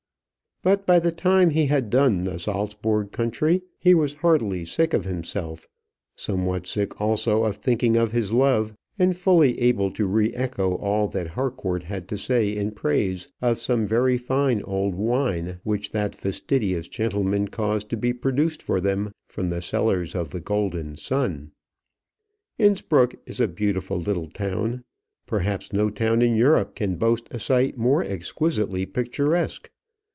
But by the time he had done the Saltzburg country, he was heartily sick of himself, somewhat sick also of thinking of his love, and fully able to re echo all that Harcourt had to say in praise of some very fine old wine which that fastidious gentleman caused to be produced for them from the cellars of the "Golden Sun." Innspruck is a beautiful little town. Perhaps no town in Europe can boast a site more exquisitely picturesque.